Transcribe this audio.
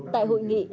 tại hội nghị